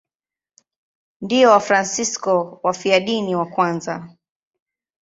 Ndio Wafransisko wafiadini wa kwanza.